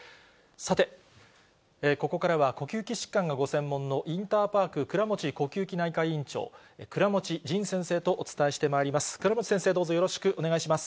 さて、ここからは、呼吸器疾患がご専門のインターパーク倉持呼吸器内科院長、倉持仁先生とお伝えしてまいります。